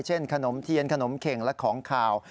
ขนมเทียนขนมเข่งและของขาว